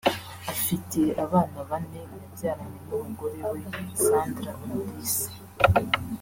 afite abana bane yabyaranye n’umugore we Sandra Umulisa